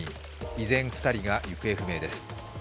依然、２人が行方不明です。